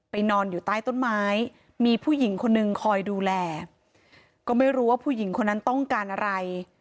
นอนอยู่ใต้ต้นไม้มีผู้หญิงคนนึงคอยดูแลก็ไม่รู้ว่าผู้หญิงคนนั้นต้องการอะไร